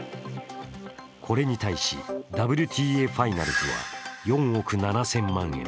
これに対しＷＴＡファイナルズは４億７０００万円。